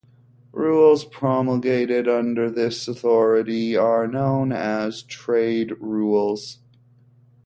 Rules promulgated under this authority are known as "Trade Rules".